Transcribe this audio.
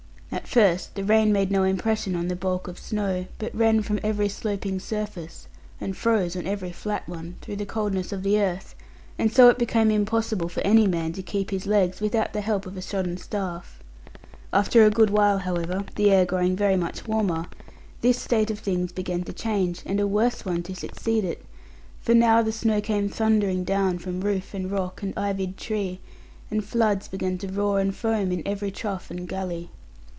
At first the rain made no impression on the bulk of snow, but ran from every sloping surface and froze on every flat one, through the coldness of the earth; and so it became impossible for any man to keep his legs without the help of a shodden staff. After a good while, however, the air growing very much warmer, this state of things began to change, and a worse one to succeed it; for now the snow came thundering down from roof, and rock, and ivied tree, and floods began to roar and foam in every trough and gulley.